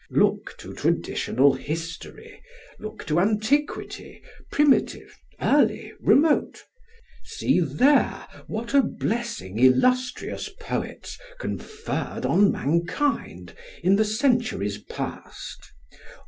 "Look to traditional history, look To antiquity, primitive, early, remote; See there, what a blessing illustrious poets Conferr'd on mankind, in the centuries past.